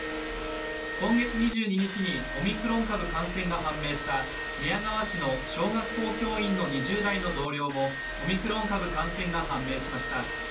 今月２２日にオミクロン株感染が判明した寝屋川市の小学校教員の２０代の同僚もオミクロン株感染が判明しました。